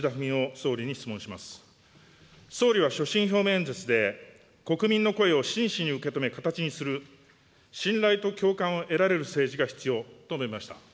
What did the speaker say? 総理は所信表明演説で、国民の声を真摯に受け止め、形にする信頼と共感を得られる政治が必要と述べました。